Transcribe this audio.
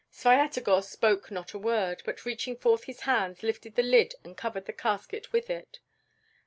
Svyatogor spoke not a word, but reaching forth his hands lifted the lid and covered the casket with it.